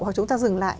hoặc chúng ta dừng lại